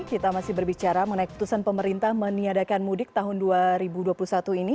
kita masih berbicara mengenai keputusan pemerintah meniadakan mudik tahun dua ribu dua puluh satu ini